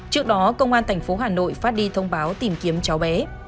trước đó công an tp hà nội phát đi thông báo tìm kiếm cháu bé